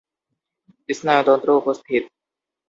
স্নায়ুতন্ত্র উপস্থিত।